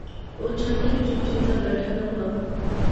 او چھٹ ہک چپ چپیتا بیٹھا ناں وہا